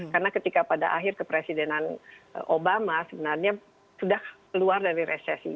karena ketika pada akhir kepresidenan obama sebenarnya sudah keluar dari resesi